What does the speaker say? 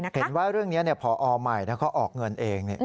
เห็นว่าเรื่องนี้พอใหม่เขาออกเงินเอง